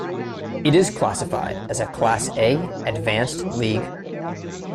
It is classified as a Class A-Advanced league.